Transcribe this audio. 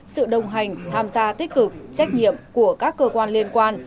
sự đồng hành tham gia tích cực trách nhiệm của các cơ quan liên quan